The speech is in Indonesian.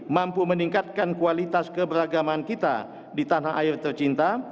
mampu meningkatkan kualitas keberagaman kita di tanah air tercinta